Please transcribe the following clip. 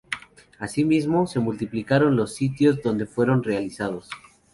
Asimismo, se multiplicaron los sitios donde fueron realizados.